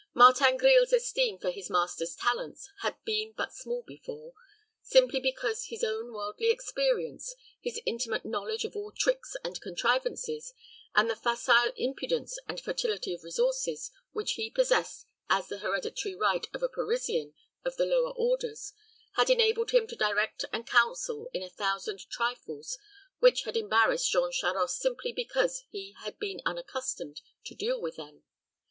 Martin Grille's esteem for his master's talents had been but small before, simply because his own worldly experience, his intimate knowledge of all tricks and contrivances, and the facile impudence and fertility of resources, which he possessed as the hereditary right of a Parisian of the lower orders, had enabled him to direct and counsel in a thousand trifles which had embarrassed Jean Charost simply because he had been unaccustomed to deal with them.